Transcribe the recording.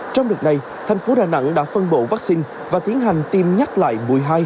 trong đợt này thành phố đà nẵng đã phân bổ vaccine và tiến hành tiêm nhắc lại mũi hai